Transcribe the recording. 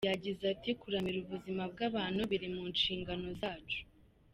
Yagize ati “Kuramira ubuzima bw’abantu biri mu nshingano zacu.